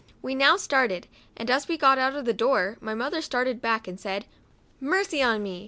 We now started, and as we got out of the door, my mother started back, and said, " Mercy on me